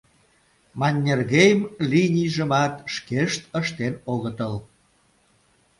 — «Маннергейм линийжымат» шкешт ыштен огытыл.